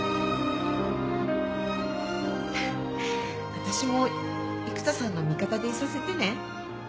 私も育田さんの味方でいさせてね。